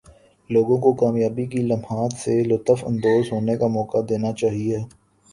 لوگوں کو کامیابی کے لمحات سے لطف اندواز ہونے کا موقع دینا چاہئے